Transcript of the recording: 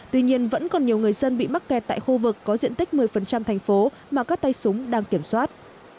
tuy nhiên vẫn còn nhiều người dân bị mắc kẹt tại khu vực có diện tích một mươi thành phố mà các tay súng đang kiểm soát